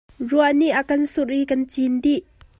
Ruah nih a kan surh i kan cin dih.